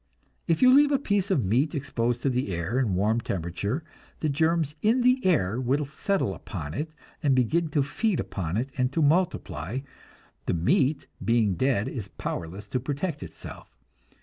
If you leave a piece of meat exposed to the air in warm temperature, the germs in the air will settle upon it and begin to feed upon it and to multiply; the meat, being dead, is powerless to protect itself.